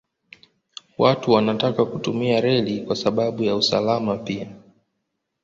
Watu wanataka kutumia reli kwa sababu ya usalama pia.